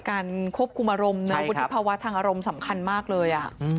การควบคุมอารมณ์นะวุฒิภาวะทางอารมณ์สำคัญมากเลย